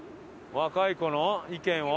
若い子の意見を？